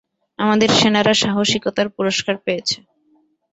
আমাদের সেনারা সাহসিকতার পুরষ্কার পেয়েছে।